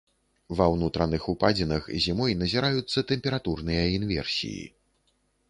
Ва ўнутраных упадзінах зімой назіраюцца тэмпературныя інверсіі.